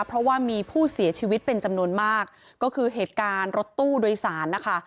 เพราะว่ามีผู้เสียชีวิตเป็นจำนวนมากก็คือเหตุการณ์รถตู้โดยสารนะคะ